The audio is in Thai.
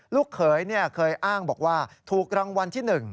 ลูกเขยเคยอ้างบอกว่าถูกรางวัลที่๑